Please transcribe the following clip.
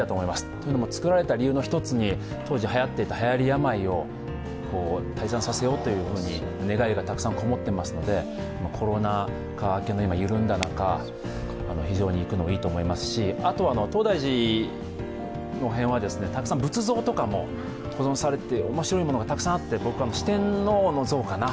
というのも造られた理由の一つに当時はやっていたはやり病を退散させようという願いがたくさんこもっていますので、コロナ禍明けの緩んだ中、非常に行くのはいいと思いますし、あとは東大寺の辺はたくさん仏像とかも保存されて面白いもがたくさんあって、僕は四天王の像かな。